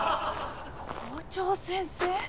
校長先生！